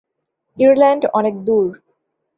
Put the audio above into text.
Ireland অনেক দূর।